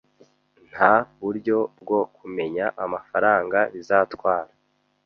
Nta buryo bwo kumenya amafaranga bizatwara